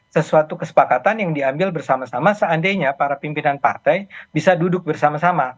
sesuatu kesepakatan yang diambil bersama sama seandainya para pimpinan partai bisa duduk bersama sama